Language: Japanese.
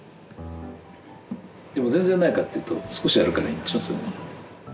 でも全然ないかっていうと少しあるからいいんでしょ。